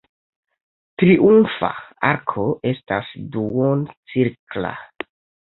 Triumfa arko estas duoncirkla.